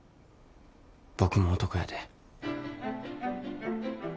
僕も男やで。